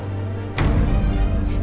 aku gak tau